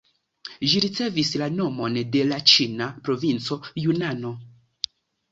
Ĝi ricevis la nomon de la ĉina provinco Junano.